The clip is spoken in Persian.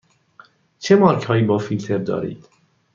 چه مارک هایی با فیلتر دارید؟